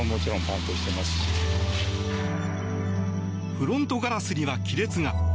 フロントガラスには亀裂が。